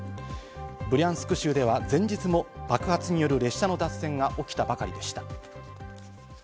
ブリャンスク州では前日も爆発による列車の脱線が起きたばかりでした。